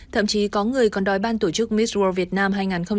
thậm chí có người còn đói ban tổ chức miss world vietnam hai nghìn hai mươi ba